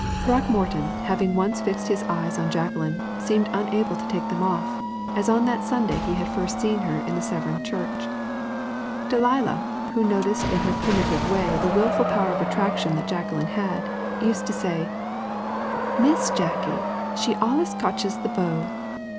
Throckmorton, having once fixed his eyes on Jacqueline, seemed unable to take them off, as on that Sunday he had first seen her in Severn church. Delilah, who noticed in her primitive way the wonderful power of attraction that Jacqueline had, used to say, "Miss Jacky she allus cotches de beaux."